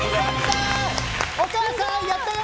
お母さん、やったよ！